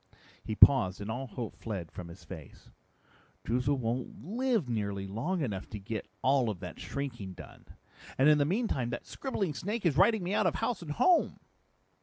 He paused and all hope fled from his face. "Droozle won't live nearly long enough to get all of that shrinking done. And in the meantime that scribbling snake is writing me out of house and home!"